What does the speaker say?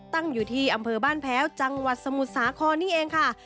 ตั้งอยู่อาบภเภวจังหวัดสมุทรศาครนี้เองค่ะ